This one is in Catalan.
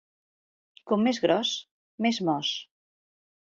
Com més gros, més mos.